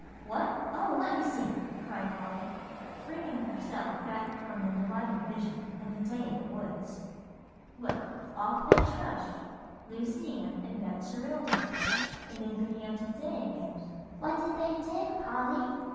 "What? oh, let me see!" cried Polly, bringing herself back from the delightful vision of a day in the woods; "well, off they trudged, Lucy Ann and Betserilda, and they began to dig and" "What did they dig, Polly?"